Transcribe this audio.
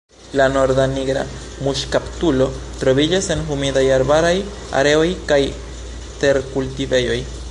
La Norda nigra muŝkaptulo troviĝas en humidaj arbaraj areoj kaj terkultivejoj.